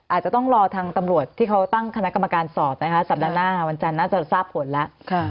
อาจจะต้องรอทางตำรวจที่เขาตั้งคณะกรรมการสอบนะคะสัปดาห์หน้าวันจันทร์น่าจะทราบผลแล้ว